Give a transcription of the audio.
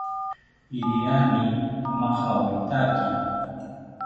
Iriani majawitaki